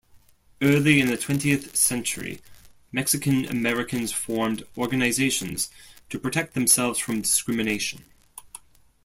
Early in the twentieth century, Mexican Americans formed organizations to protect themselves from discrimination.